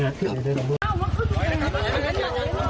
อย่าทำอะไรนะอย่าทำอะไรนะ